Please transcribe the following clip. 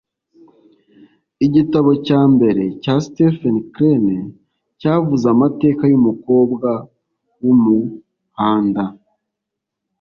Igitabo cya mbere cya Stephen Crane cyavuze amateka y’Umukobwa wumuhanda